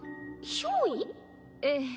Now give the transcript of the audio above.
ええ。